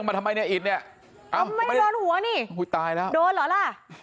ไม่โดนหัวนี่โดนเหรอล่ะ